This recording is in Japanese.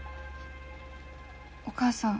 お母さん。